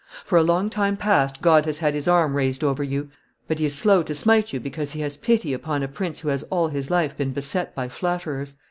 For a long time past God has had His arm raised over you; but He is slow to smite you because He has pity upon a prince who has all his life been beset by flatterers."